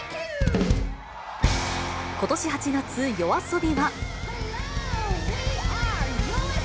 ことし８月、ＹＯＡＳＯＢＩは。